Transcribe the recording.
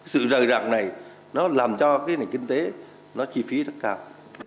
sự rời rạc này nó làm cho cái nền kinh tế nó chi phí rất cao